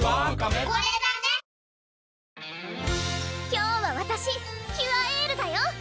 今日はわたしキュアエールだよ